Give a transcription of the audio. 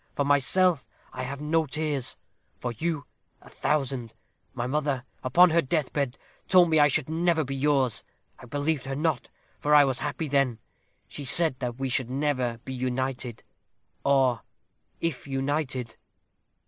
For myself I have no tears for you, a thousand. My mother, upon her death bed, told me I should never be yours. I believed her not, for I was happy then. She said that we never should be united; or, if united